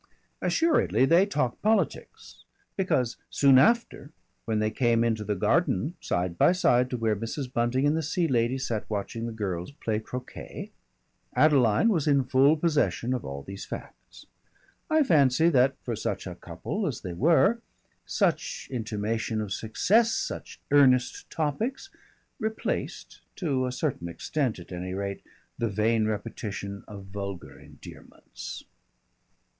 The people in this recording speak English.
Assuredly they talked politics, because soon after, when they came into the garden side by side to where Mrs. Bunting and the Sea Lady sat watching the girls play croquet, Adeline was in full possession of all these facts. I fancy that for such a couple as they were, such intimation of success, such earnest topics, replaced, to a certain extent at any rate, the vain repetition of vulgar endearments.